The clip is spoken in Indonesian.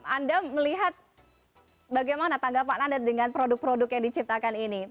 anda melihat bagaimana tanggapan anda dengan produk produk yang diciptakan ini